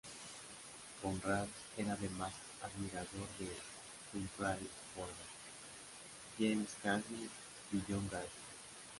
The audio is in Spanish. Conrad era además admirador de Humphrey Bogart, James Cagney y John Garfield.